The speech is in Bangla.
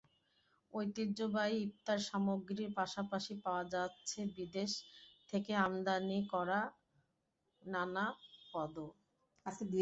ঐতিহ্যবাহী ইফতারসামগ্রীর পাশাপাশি পাওয়া যাচ্ছে বিদেশ থেকে আমদানি করা নানা পদও।